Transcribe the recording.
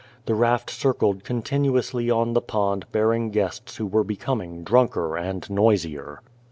The raft circled continuously on the pond bearing guests who were be coming drunker and noisier.